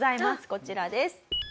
こちらです。